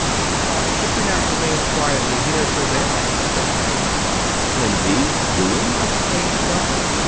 " Why should we not remain quietly here till daylight }" said they. " In these ruins !" exclaimed the guide.